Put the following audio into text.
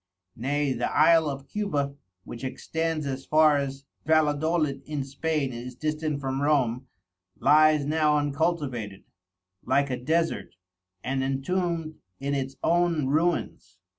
Nay the Isle of Cuba, which extends as far, as Valledolid in Spain is distant from Rome, lies now uncultivated, like a Desert, and intomb'd in its own Ruins.